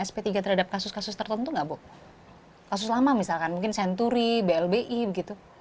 sp tiga terhadap kasus kasus tertentu nggak bu kasus lama misalkan mungkin senturi blbi begitu